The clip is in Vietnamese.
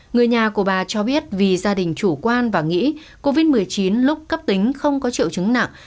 người nhà của bà cho biết vì gia đình chủ quan và nghĩ covid một mươi chín lúc cấp tính không có triệu chứng nặng